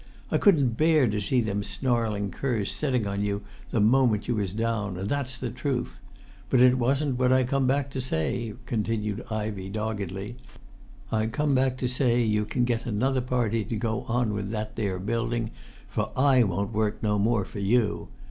I couldn't bear to see them snarling curs setting on you the moment you was down, and that's the truth! But it wasn't what I come back to say," continued Ivey doggedly. "I come back to say you can get another party to go on with that there building, for I won't work no more for you.